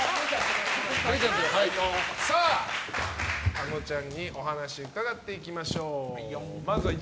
あのちゃんにお話伺っていきましょう。